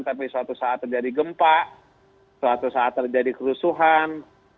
tapi suatu saat terjadi gempa suatu saat terjadi kerusuhan